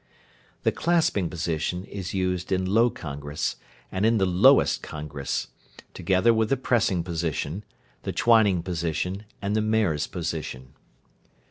The "clasping position" is used in "low congress," and in the "lowest congress," together with the "pressing position," the "twining position", and the "mare's position."